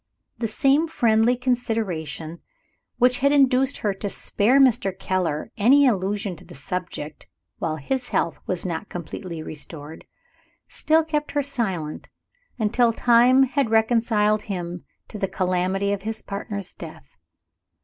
The same friendly consideration which had induced her to spare Mr. Keller any allusion to the subject, while his health was not yet completely restored, still kept her silent until time had reconciled him to the calamity of his partner's death.